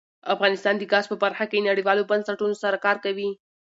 افغانستان د ګاز په برخه کې نړیوالو بنسټونو سره کار کوي.